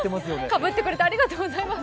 かぶってくれてありがとうございます。